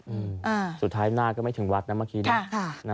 อืมอ่าสุดท้ายหน้าก็ไม่ถึงวัดนะเมื่อกี้นะ